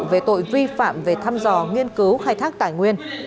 về tội vi phạm về thăm dò nghiên cứu khai thác tài nguyên